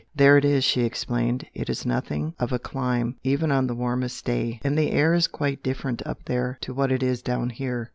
"There it is" she explained "It's nothing of a climb, even on the warmest day. And the air is quite different up there to what it is down here."